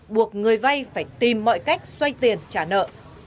buộc người vay phải tìm mọi cách xoay tiền trả nợ